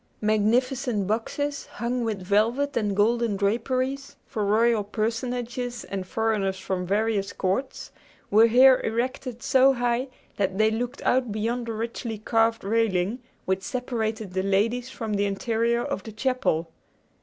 Magnificent boxes, hung with velvet and golden draperies for royal personages and foreigners from various courts, were here erected so high that they looked out beyond the richly carved railing which separated the ladies from the interior of the chapel.